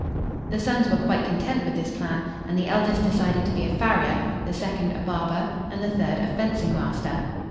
The sons were quite content with this plan, and the eldest decided to be a farrier, the second a barber, and the third a fencing master.